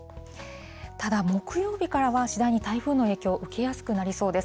ただ、木曜日からは次第に台風の影響受けやすくなりそうです。